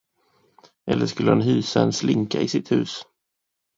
Eller skulle han hysa en slinka i sitt hus.